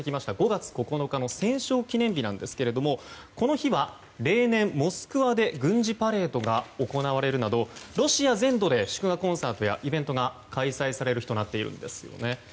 ５月９日の戦勝記念日ですけどもこの日は例年モスクワで軍事パレードが行われるなどロシア全土で祝賀コンサートやイベントが開催される日となっているんですよね。